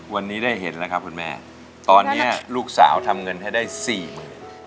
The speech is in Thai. วันนี้ได้เห็นแล้วครับคุณแม่ตอนนี้ลูกสาวทำเงินให้ได้สี่หมื่น